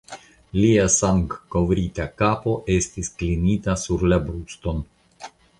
Lia sangkovrita kapo estis klinita sur la bruston.